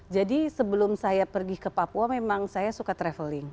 jadi sebelum saya pergi ke papua memang saya suka traveling